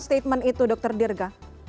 statement itu dokter dirga